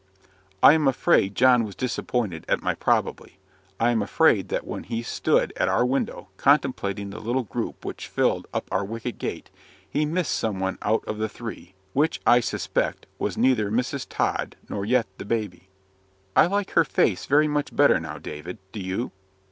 I am afraid John was disappointed at my "probably." I am afraid that when he stood at our window, contemplating the little group which filled up our wicket gate, he missed some one out of the three which, I suspect, was neither Mrs. Tod nor yet the baby. "I like her face very much better now, David. Do you?"